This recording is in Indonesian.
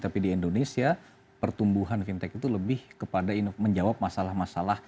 tapi di indonesia pertumbuhan fintech itu lebih kepada menjawab masalah masalah